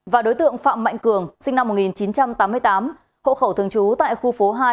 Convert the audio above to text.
và đối tượng phạm mạnh cường sinh năm một nghìn chín trăm tám mươi tám hộ khẩu thường trú tại khu phố hai